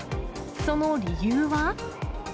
その理由は。